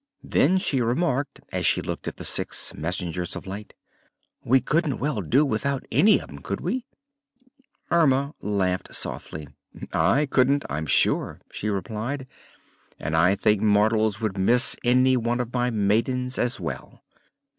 Then she remarked, as she looked at the six messengers of light: "We couldn't very well do without any of 'em; could we?" Erma laughed softly. "I couldn't, I'm sure," she replied, "and I think mortals would miss any one of my maidens, as well.